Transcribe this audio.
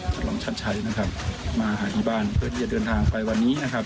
ฉลองชัดชัยนะครับมาหาที่บ้านเพื่อที่จะเดินทางไปวันนี้นะครับ